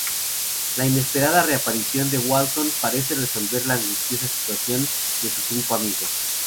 La inesperada reaparición de Walton parece resolver la angustiosa situación de sus cinco amigos.